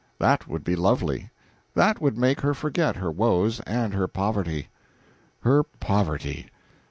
That would be lovely; that would make her forget her woes and her poverty. Her poverty!